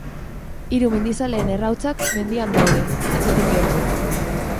Hiru mendizaleen errautsak mendian daude, etxetik gertu.